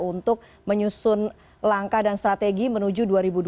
untuk menyusun langkah dan strategi menuju dua ribu dua puluh